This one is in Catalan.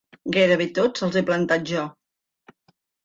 Gairebé tots els he plantat jo.